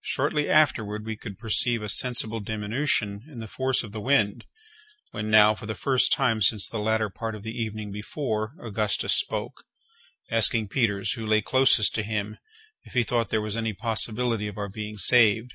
Shortly afterward we could perceive a sensible diminution in the force of the wind, when, now for the first time since the latter part of the evening before, Augustus spoke, asking Peters, who lay closest to him, if he thought there was any possibility of our being saved.